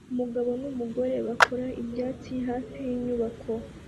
Umugabo numugore bakora ibyatsi hafi yinyubako